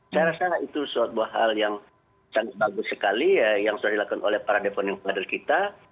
saya rasa itu suatu hal yang sangat bagus sekali yang sudah dilakukan oleh para deponing kader kita